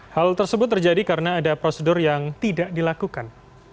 hal tersebut terjadi karena ada prosedur yang tidak dilakukan